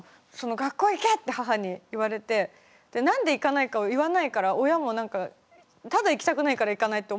「学校へ行け！」って母に言われてで何で行かないかを言わないから親も何かただ行きたくないから行かないって思ってたと思うんですよね。